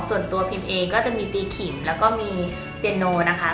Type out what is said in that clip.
พิมเองก็จะมีตีขิมแล้วก็มีเปียโนนะคะ